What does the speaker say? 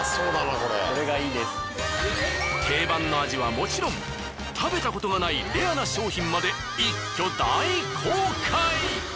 定番の味はもちろん食べたことがないレアな商品まで一挙大公開。